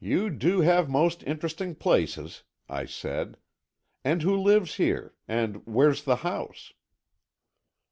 "You do have most interesting places," I said. "And who lives here? And where's the house?"